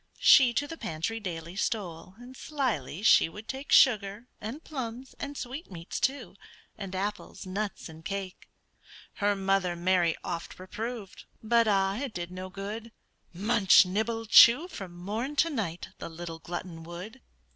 She to the pantry daily stole, And slyly she would take Sugar, and plums, and sweetmeats, too, And apples, nuts, and cake. Her mother Mary oft reproved, But, ah! it did no good; Munch, nibble, chew, from morn to night, The little glutton would.